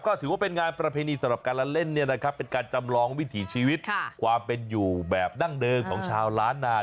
ก็ถือว่าเป็นงานประเพณีสำหรับการละเล่นเป็นการจำลองวิถีชีวิตความเป็นอยู่แบบดั้งเดิมของชาวล้านนา